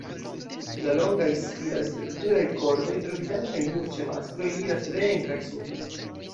La longaj, spiral-strukturaj kornoj, troviĝantaj nur ĉe maskloj, iras reen kaj supren.